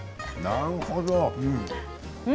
なるほど。